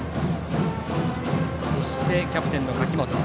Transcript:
そしてキャプテンの柿本。